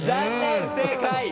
不正解。